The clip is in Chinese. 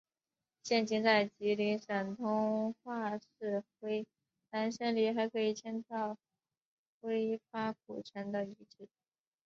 现今在吉林省通化市辉南县里还可以见到辉发古城的遗址。